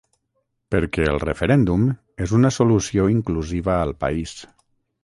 Perquè el referèndum és una solució inclusiva al país.